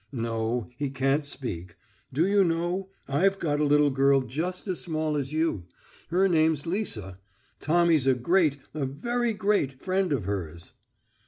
"No, he can't speak. Do you know, I've got a little girl just as small as you. Her name's Lisa. Tommy's a great, a very great, friend of hers."